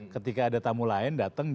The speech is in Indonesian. ketika ada tamu lain datang